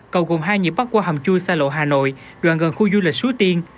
cầu gồm hai nhịp bắt qua hầm chui xa lộ hà nội đoàn gần khu du lịch sú tiên